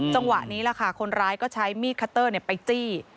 จังหวะนี้แหละค่ะคนร้ายก็ใช้มีดคัตเตอร์ไปจี้